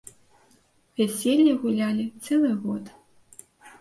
Вяселле гулялі цэлы год.